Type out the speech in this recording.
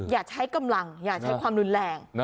อย่าใช้กำลังอย่าใช้ความรุนแรง